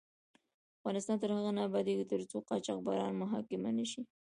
افغانستان تر هغو نه ابادیږي، ترڅو قاچاقبران محاکمه نشي.